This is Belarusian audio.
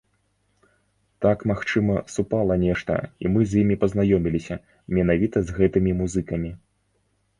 Так, магчыма, супала нешта, і мы з імі пазнаёміліся, менавіта з гэтымі музыкамі.